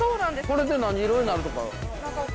これで何色になるとか？